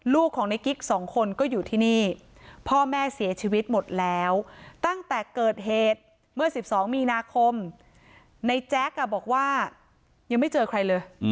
ลูกของในกิ๊กสองคนก็อยู่ที่นี่พ่อแม่เสียชีวิตหมดแล้วตั้งแต่เกิดเหตุเมื่อ๑๒มีนาคมในแจ๊กบอกว่ายังไม่เจอใครเลย